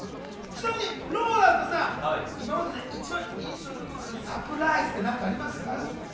ちなみにＲＯＬＡＮＤさん、今までで一番印象に残っているサプライズ、何かあります？